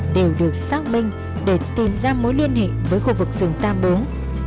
được xác minh để tìm ra mối liên hệ với khu vực rừng tam bốn